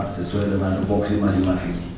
sesuai dengan provokasi